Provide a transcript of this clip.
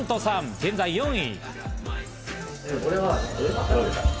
現在４位。